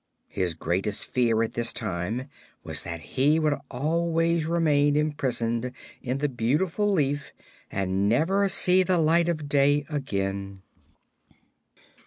His greatest fear at this time was that he would always remain imprisoned in the beautiful leaf and never see the light of day again.